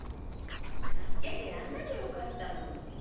助けなきゃよかったのに。